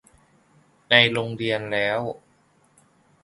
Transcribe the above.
ในโรงเรียนแล้ว